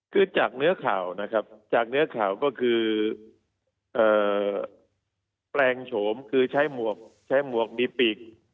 คือจากเนื้อข่าวนะครับจากเนื้อข่าวก็คือแปลงโฉมคือใช้หมวกใช้หมวกมีปีก